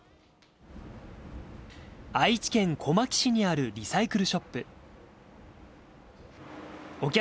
愛知県小牧市にあるリサイクルショップ。